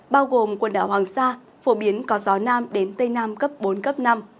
bao gồm quần đảo hoàng sa phổ biến có gió nam đến tây nam cấp bốn cấp năm